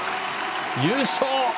優勝！